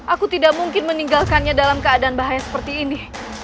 aku tidak mungkin meninggalkannya dalam keadaan bahaya seperti ini